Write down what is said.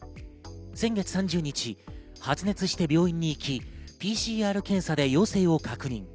先月３０日、発熱して病院に行き、ＰＣＲ検査で陽性を確認。